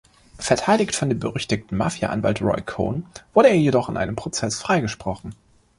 Verteidigt von dem berüchtigten Mafia-Anwalt Roy Cohn, wurde er jedoch in einem Prozess freigesprochen.